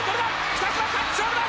北島勝負だ！